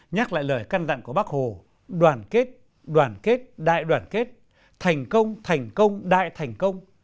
nhắc lại lời căn dặn của bác hồ đoàn kết đoàn kết đại đoàn kết thành công thành công đại thành công